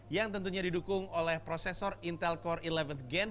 yang tentunya didukung oleh prosesor intel core sebelas gen